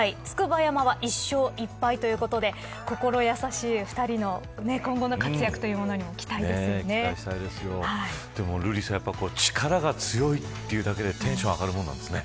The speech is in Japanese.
筑波山は１勝１敗ということで心やさしい２人の今後の活躍というものにも瑠麗さん力が強いというだけでテンション